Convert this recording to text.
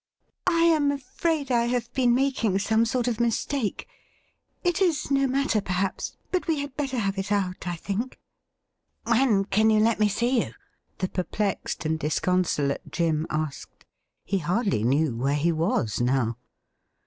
I am afraid I have been making some sort of mistake. It is no matter, perhaps, but we had better have it out, I think.' 6 82 THE RIDDLE RING 'When can you let me see you?' the perplexed and disconsolate Jim asked. He hardly knew where he was now.